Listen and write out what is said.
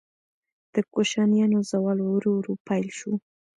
د کوشانیانو زوال ورو ورو پیل شو